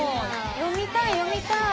読みたい読みたい。